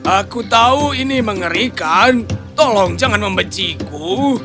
aku tahu ini mengerikan tolong jangan membenciku